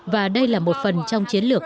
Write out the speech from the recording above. và đây là một phần trong chiến lược